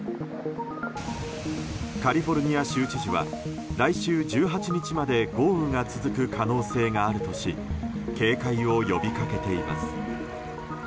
カリフォルニア州知事は来週１８日まで豪雨が続く可能性があるとし警戒を呼び掛けています。